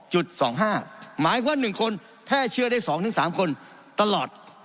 หมายความ๑คนแพร่เชื้อได้๒๓คนตลอด